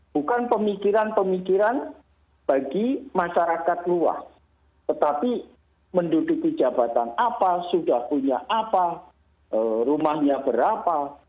bukan pemikiran pemikiran bagi masyarakat luas tetapi menduduki jabatan apa sudah punya apa rumahnya berapa